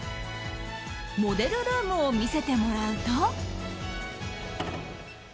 モデルルームを見せてもらうと。